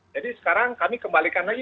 jadi sekarang kami kembalikan lagi